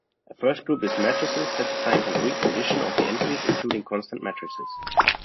A first group is matrices satisfying concrete conditions of the entries, including constant matrices.